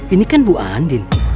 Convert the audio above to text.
ini kan bu andin